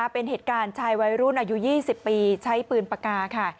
เป็นเหตุการณ์ชายวัยรุ่นอายุ๒๐ปีใช้ปืนปากกาค่ะ